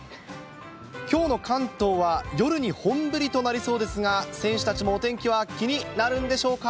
きょうの関東は夜に本降りとなりそうですが、選手たちもお天気は気になるんでしょうか。